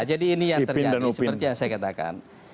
jadi ini yang terjadi seperti yang saya katakan